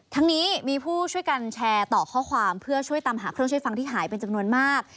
ทั้งนี้มีผู้ช่วยกันแชร์ต่อข้อความเพื่อช่วยตามหาเครื่องช่วยฟังที่หายเป็นจำนวนมาก